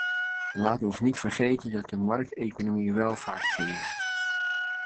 Laat ons niet vergeten dat de markteconomie welvaart creëert.